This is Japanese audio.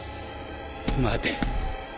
待て。